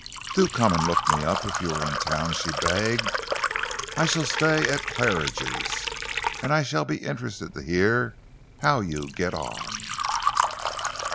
"Do come and look me up if you are in town," she begged. "I shall stay at Claridge's, and I shall be interested to hear how you get on."